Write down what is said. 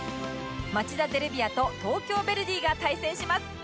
町田ゼルビアと東京ヴェルディが対戦します